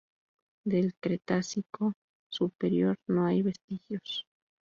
Del Cretácico superior no hay vestigios.